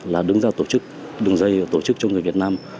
và đứng ra đường dây tổ chức cho người việt nam